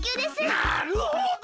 なるほど！